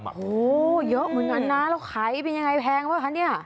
โหเยอะเหมือนกันน่ะแล้วขายเป็นยังไงแพงหรือเปล่าคะเนี่ย